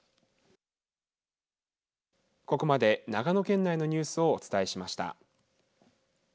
ここまで長野県内のニュースをお伝えしました。